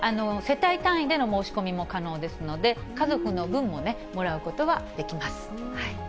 世帯単位での申し込みも可能ですので、家族の分ももらうことはできます。